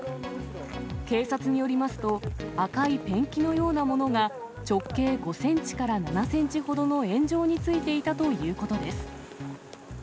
警察によりますと、赤いペンキのようなものが直径５センチから７センチほどの円状についていたということです。